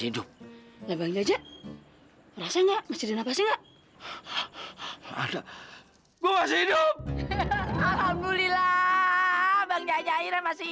terima kasih ya allah